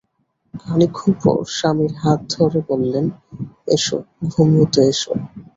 খানিকক্ষণ পর স্বামীর হাত ধরে বললেন, এস, ঘুমুতে এস।